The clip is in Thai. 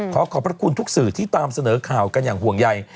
ขอขอบพระคุณทุกสื่อที่ตามเสนอข่าวกันอย่างห่วงใย